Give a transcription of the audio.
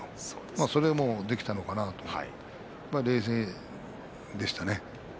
それも、できたのかなとやっぱり冷静でしたね。